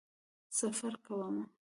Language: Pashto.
سفر کومه